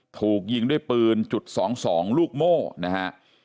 ถูกยิงด้วยปืนจุด๒๒ลูกโม่นะฮะ